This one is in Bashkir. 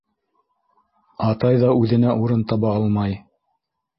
Атай ҙа үҙенә урын таба алмай.